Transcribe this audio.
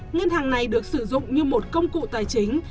ngân hàng này được sử dụng như một công cụ tài chính